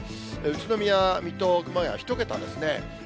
宇都宮、水戸、熊谷、１桁ですね。